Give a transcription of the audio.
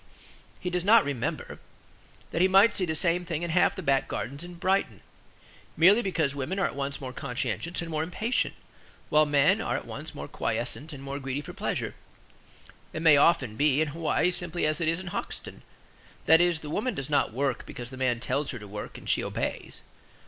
He does not remember that he might see the same thing in half the back gardens in Brixton, merely because women are at once more conscientious and more impatient, while men are at once more quiescent and more greedy for pleasure. It may often be in Hawaii simply as it is in Hoxton. That is, the woman does not work because the man tells her to work and she obeys.